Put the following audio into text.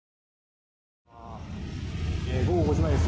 午後５時前です。